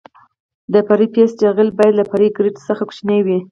د فرعي بیس جغل باید له فرعي ګریډ څخه کوچنی وي